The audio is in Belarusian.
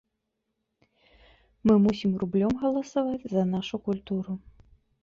Мы мусім рублём галасаваць за нашу культуру.